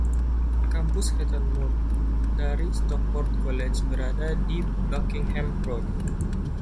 Kampus Heaton Moor dari Stockport College berada di Buckingham Road.